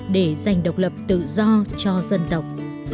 để giành độc lập tự do cho dân tộc